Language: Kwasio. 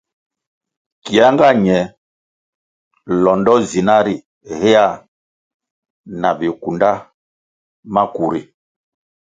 Kia nga ñe londo zina ri hea na bikunda maku ri.